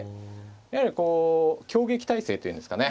やはりこう挟撃態勢と言うんですかね。